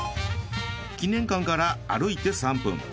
記念館から歩いて３分。